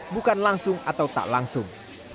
bukan langsung atau tak langsung